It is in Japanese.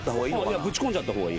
ぶち込んじゃった方がいい。